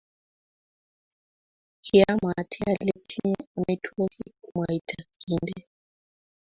kiawatii ale tinye amitwokik mwaita kinde.